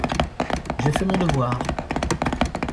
J'ai fait mon devoir.